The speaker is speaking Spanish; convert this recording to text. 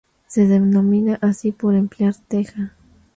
Se denomina así por emplear teja.